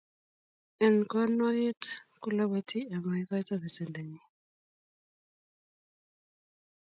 eng konwagit ko lapati amakoito pesendo nyi